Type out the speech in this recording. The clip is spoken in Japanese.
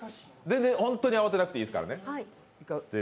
全然ホントに慌てなくていいですからね。